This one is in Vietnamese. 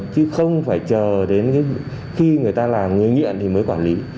chứ không phải chờ đến khi người ta làm người nghiện thì mới quản lý